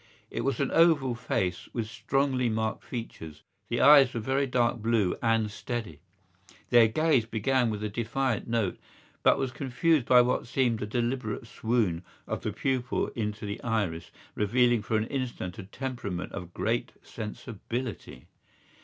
It was an oval face with strongly marked features. The eyes were very dark blue and steady. Their gaze began with a defiant note but was confused by what seemed a deliberate swoon of the pupil into the iris, revealing for an instant a temperament of great sensibility.